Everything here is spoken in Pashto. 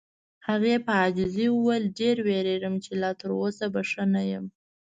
هغې په عاجزۍ وویل: ډېر وېریږم چې لا تر اوسه به ښه نه یم.